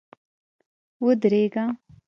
ودرېږه!